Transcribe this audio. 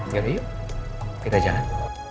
yaudah yuk kita jalan